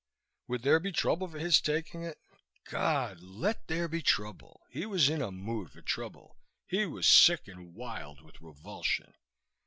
Would there be trouble for his taking it? God, let there be trouble! He was in a mood for trouble. He was sick and wild with revulsion.